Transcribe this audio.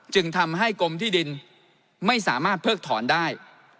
จึงทำให้กรมที่ดินไม่สามารถเพิกถอนได้